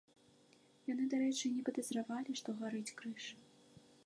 Яны, дарэчы, і не падазравалі, што гарыць крыж.